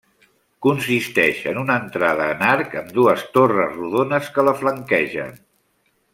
Consisteix en una entrada en arc amb dues torres rodones que la flanquegen.